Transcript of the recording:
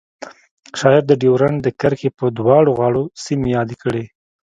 شاعر د ډیورنډ د کرښې دواړو غاړو سیمې یادې کړې